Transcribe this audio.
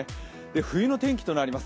冬の天気となります。